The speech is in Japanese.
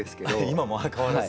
今も変わらず。